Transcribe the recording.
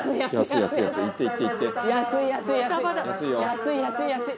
安い安い安い！